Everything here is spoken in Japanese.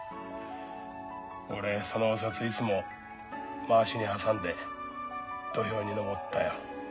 俺そのお札いつもまわしに挟んで土俵に上ったよ。